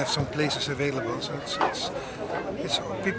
kita masih ada tempat yang tersedia